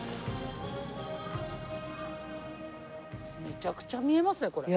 めちゃくちゃ見えますねこれ。